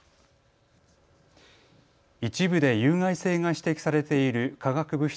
一部で有害性が指摘されている化学物質